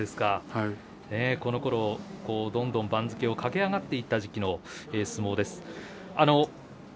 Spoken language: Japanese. このころはどんどん番付を駆け上がっていった時期の相撲です。